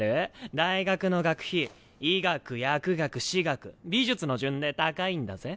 大学の学費医学薬学歯学美術の順で高いんだぜ。